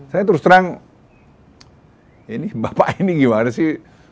saya terus terang ini bapak ini gimana sih